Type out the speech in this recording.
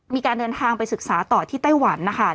มีการเดินทางไปศึกษาต่อที่ไต้หวันนะคะ